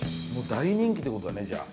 大人気って事だねじゃあ。